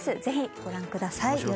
ぜひご覧ください。